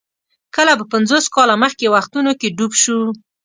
کله به پنځوس کاله مخکې وختونو کې ډوب شو.